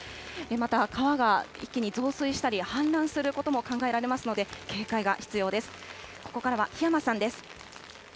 また川が一気に増水したり、氾濫することも考えられますので、警戒が必要です。